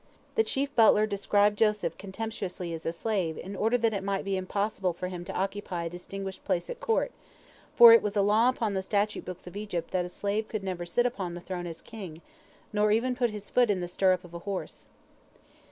The chief butler described Joseph contemptuously as a "slave" in order that it might be impossible for him to occupy a distinguished place at court, for it was a law upon the statute books of Egypt that a slave could never sit upon the throne as king, nor even put his foot in the stirrup of a horse.